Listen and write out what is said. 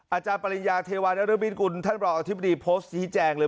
อาจารย์ปริญญาเทวานักเริ่มวิทย์กลุ่นท่านบริษัทอธิบดีโพสต์นี้แจงเลย